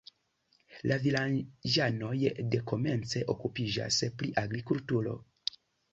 La vilaĝanoj dekomence okupiĝas pri agrikulturo.